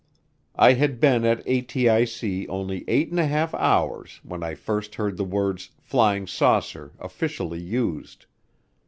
I had been at ATIC only eight and a half hours when I first heard the words "flying saucer" officially used.